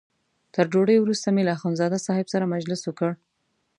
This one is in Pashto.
تر ډوډۍ وروسته مې له اخندزاده صاحب سره مجلس وکړ.